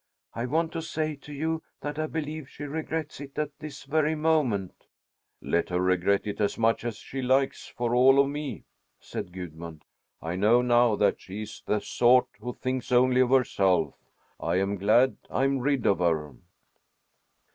I want to say to you that I believe she regrets it at this very moment." "Let her regret it as much as she likes, for all of me!" said Gudmund. "I know now that she is the sort who thinks only of herself. I am glad I'm rid of her!"